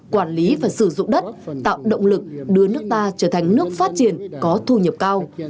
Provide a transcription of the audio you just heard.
quản lý và sử dụng đất tạo động lực đưa nước ta trở thành nước phát triển có thu nhập cao